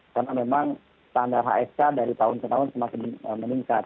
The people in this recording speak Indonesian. karena memang standar hsk dari tahun ke tahun semakin meningkat